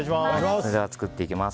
では作っていきます。